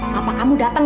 papa kamu datang